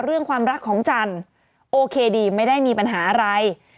เรื่องความรักของจันทร์โอเคดีไม่ได้มีปัญหาอะไร